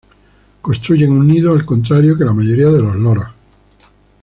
Construyen un nido, al contrario que la mayoría de los loros.